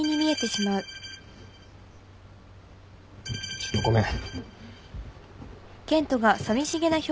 ちょっとごめん。